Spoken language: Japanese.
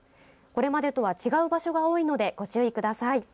これまでとは違う場所が多いのでご注意ください。